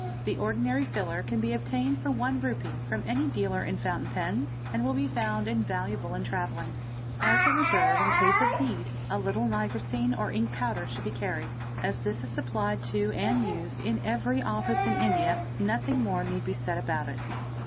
The ordinary filler can be obtained for Re. 1 from any dealer it fountain pens, and will be found invaluable in travelling. As a reserve in case of need, a little nigrosine or ink powder should be carried. this is supplied to and used in every office in India, nothing more need b said about it.